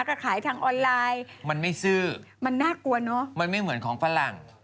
ก็ขายทางออนไลน์มันไม่ซื้อมันน่ากลัวเนอะมันไม่เหมือนของฝรั่ง